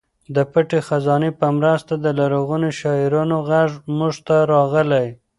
د پټې خزانې په مرسته د لرغونو شاعرانو غږ موږ ته راغلی.